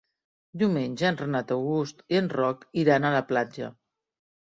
Diumenge en Renat August i en Roc iran a la platja.